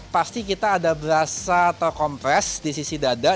pasti kita ada berasa terkompres di sisi dada